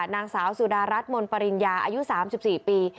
นางสาวสุดารัฐมนต์ปริญญาอายุ๓๔ปี